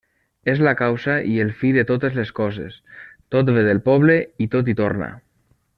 És la causa i el fi de totes les coses; tot ve del poble i tot hi torna.